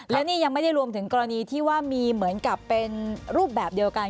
และนี่ยังไม่ได้รวมถึงกรณีที่ว่ามีเหมือนกับเป็นรูปแบบเดียวกัน